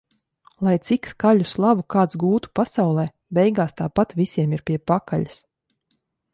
Lai cik skaļu slavu kāds gūtu pasaulē - beigās tāpat visiem ir pie pakaļas.